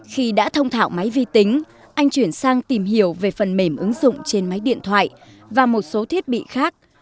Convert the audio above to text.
khi đã thông thảo máy vi tính anh chuyển sang tìm hiểu về phần mềm ứng dụng trên máy điện thoại và một số thiết bị khác